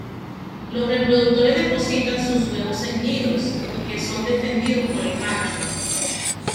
Los reproductores depositan sus huevos en nidos, que son defendidos por el macho.